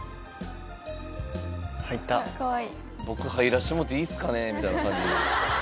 「僕入らせてもろうていいっすかね？」みたいな感じ。